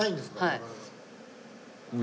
はい。